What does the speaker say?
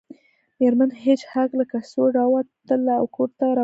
میرمن هیج هاګ له کڅوړې راووتله او کور ته روانه شوه